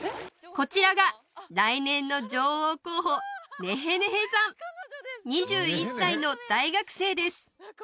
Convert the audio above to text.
こちらが来年の女王候補ネヘネヘさん２１歳の大学生です